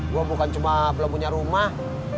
gue bukan cuma belum punya rumah